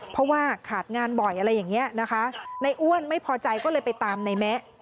เพราะว่าขาดงานบ่อยอะไรอย่างนี้นะคะในอ้วนไม่พอใจก็เลยไปตามในแมะ